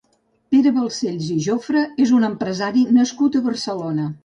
Pere Balsells i Jofre és un empresari nascut a Barcelona.